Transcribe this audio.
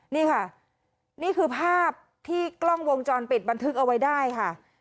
นี่ค่ะนี่คือภาพที่กล้องวงจรปิดบันทึกเอาไว้ได้ค่ะ